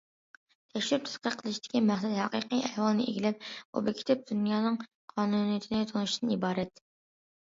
تەكشۈرۈپ تەتقىق قىلىشتىكى مەقسەت ھەقىقىي ئەھۋالنى ئىگىلەپ، ئوبيېكتىپ دۇنيانىڭ قانۇنىيىتىنى تونۇشتىن ئىبارەت.